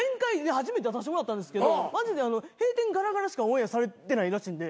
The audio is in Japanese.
初めて出させてもらったんですけどマジで閉店ガラガラしかオンエアされてないらしいんで。